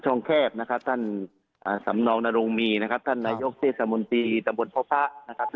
ช่องแคบท่านสำนองค์นโรงมีท่านนายกเศรษฐสมดตรีส่วนภาพ